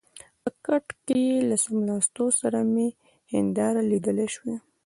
په کټ کې له څملاستو سره مې هنداره لیدلای شوای.